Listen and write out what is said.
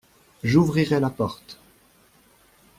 J’ouvrirai la porte.